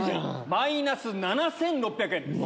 マイナス７６００円です。